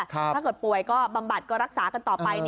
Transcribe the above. ถ้าเกิดป่วยก็บำบัดก็รักษากันต่อไป